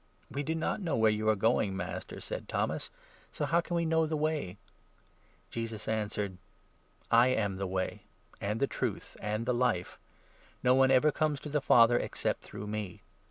"We do not know where you are going, Master," said 5 Thomas ;" so how can we know the way ?" Jesus answered :" I am the Way, and the Truth, and the Life ; 6 no one ever comes to the Father except through me.